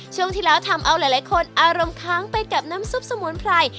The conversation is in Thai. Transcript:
ช่วงที่แล้วทำเอาหลายคนอารมณ์ค้างไปกับน้ำซุปสมุนไพร